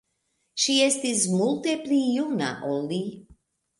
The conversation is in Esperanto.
Ŝi estis multe pli juna ol li.